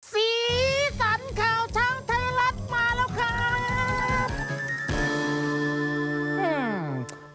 สีสันข่าวเช้าไทยรัฐมาแล้วครับ